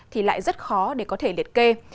thì lại rất khó để có thể liệt kê